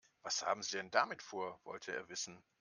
Was haben Sie denn damit vor?, wollte er wissen.